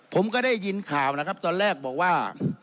ผมก็ได้ยินข่าวนะครับตอนแรกบอกว่า